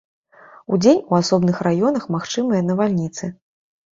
Удзень у асобных раёнах магчымыя навальніцы.